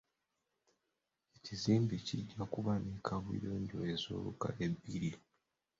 Ekizimbe kijja kuba ne kaabuyonjo ez'olukale bbiri.